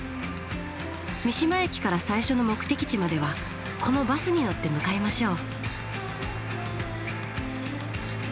三島駅から最初の目的地まではこのバスに乗って向かいましょう。